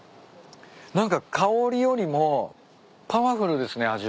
何か香りよりもパワフルですね